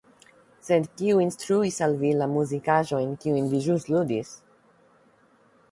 Sed kiu instruis al vi la muzikaĵojn, kiujn vi ĵus ludis.